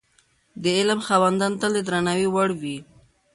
د علم خاوندان تل د درناوي وړ وي.